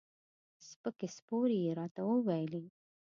سپکې سپورې یې راته وویلې.